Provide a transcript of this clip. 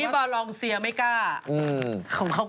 ของเขากล้า